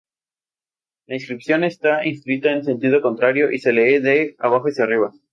La inscripción está escrita en sentido contrario y se lee de arriba hacia abajo.